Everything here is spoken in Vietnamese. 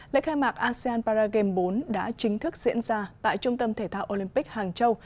lễ khai mạc asean paragame bốn đã chính thức diễn ra tại trung tâm thể thao olympic hàng châu